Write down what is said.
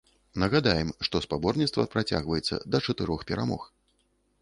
Нагадаем, што спаборніцтва працягваецца да чатырох перамог.